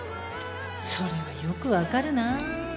それはよく分かるなぁ。